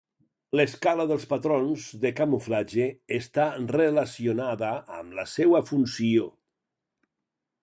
L'escala dels patrons de camuflatge està relacionada amb la seua funció.